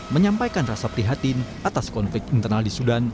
menyampaikan rasa prihatin atas konflik internal di sudan